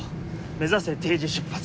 目指せ定時出発。